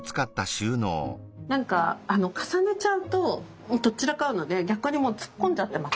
何かあの重ねちゃうととっ散らかるので逆にもう突っ込んじゃってます